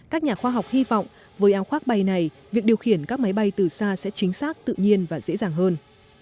các nhà khoa học hy vọng với áo khoác bay này việc điều khiển các máy bay từ xa sẽ chính xác tự nhiên và dễ dàng hơn